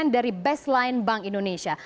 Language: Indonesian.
dari baseline bank indonesia